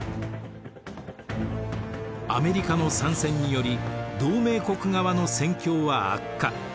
アメリカの参戦により同盟国側の戦況は悪化。